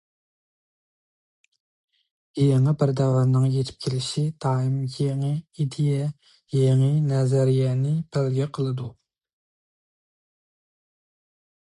يېڭى بىر دەۋرنىڭ يېتىپ كېلىشى دائىم يېڭى ئىدىيە، يېڭى نەزەرىيەنى بەلگە قىلىدۇ.